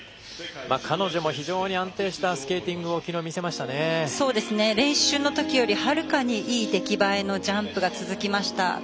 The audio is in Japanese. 彼女も非常に安定した練習の時よりはるかにいい出来栄えのジャンプが続きました。